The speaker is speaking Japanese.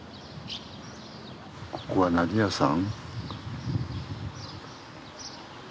ここは何屋さん？